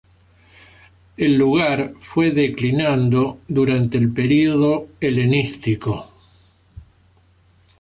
El lugar fue declinando durante el periodo helenístico.